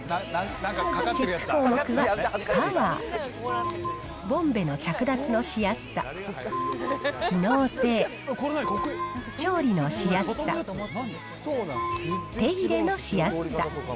チェック項目はパワー、ボンベの着脱のしやすさ、機能性、調理のしやすさ、手入れのしやすさ。